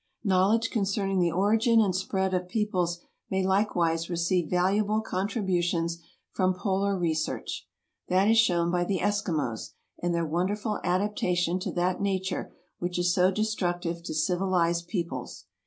Knowledge concerning the origin and spread of peoples may likewise receive valuable contributions from polar re search. That is shown by the Eskimos and their wonderful adaptation to that nature which is so destructive to civilized peoples.